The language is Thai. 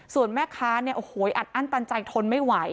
ส่วนแม่ค้าอัดอั้นตันใจทนไม่ไหว